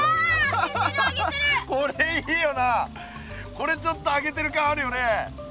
これちょっと揚げてる感あるよね。